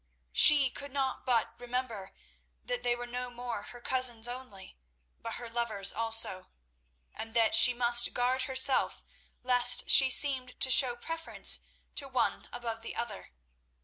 She could not but remember that they were no more her cousins only, but her lovers also, and that she must guard herself lest she seemed to show preference to one above the other.